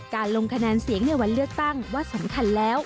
ลงคะแนนเสียงในวันเลือกตั้งว่าสำคัญแล้ว